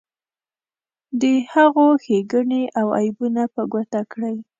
د هغو ښیګڼې او عیبونه په ګوته کړئ.